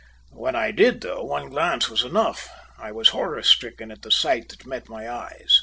When I did though, one glance was enough. I was horror stricken at the sight that met my eyes.